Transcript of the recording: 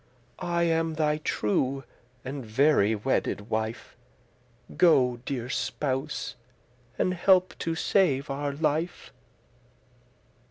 I am thy true and very wedded wife; Go, deare spouse, and help to save our life."